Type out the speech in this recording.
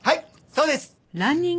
そうです！